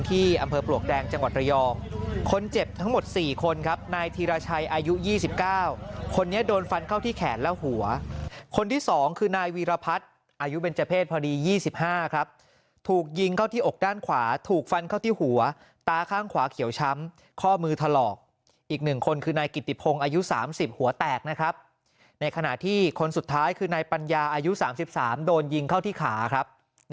สิบเก้าคนนี้โดนฟันเข้าที่แขนแล้วหัวคนที่สองคือนายวีรพัฒน์อายุเป็นเจอเพศพอดียี่สิบห้าครับถูกยิงเข้าที่อกด้านขวาถูกฟันเข้าที่หัวตาข้างขวาเขียวช้ำข้อมือถลอกอีกหนึ่งคนคือในกิตติพงอายุสามสิบหัวแตกนะครับในขณะที่คนสุดท้ายคือในปัญญาอายุสามสิบสามโดนยิงเข้าที่ขาครับ